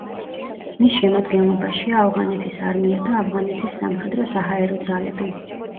მის შემადგენლობაშია ავღანეთის არმია და ავღანეთის სამხედრო-საჰაერო ძალები.